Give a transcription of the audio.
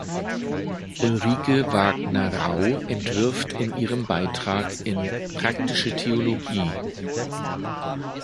Ulrike Wagner-Rau entwirft in ihrem Beitrag in „Praktische Theologie.